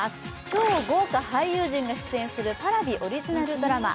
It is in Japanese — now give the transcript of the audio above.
超豪華俳優陣が出演するＰａｒａｖｉオリジナル配信ドラマ